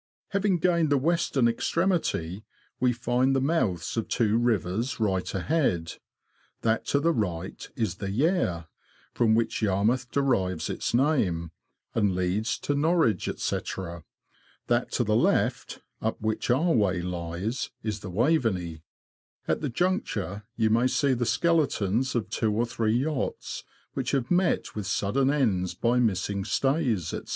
Having gained the western extremity, we find the mouths of two rivers right ahead ; that to the right is the Yare, from which Yarmouth derives its name, and leads to Norwich, &c. ; that to the left, up which our way lies, is the Waveney. At the juncture you may see the skeletons of two or three yachts which have met with sudden ends by missing stays, &c.